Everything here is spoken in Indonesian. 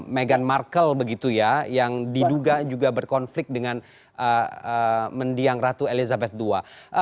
meghan markle begitu ya yang diduga juga berkonflik dengan mendiang ratu elizabeth ii